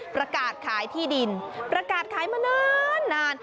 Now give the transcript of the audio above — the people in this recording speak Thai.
ประกาศขายที่ดินประกาศขายมานาน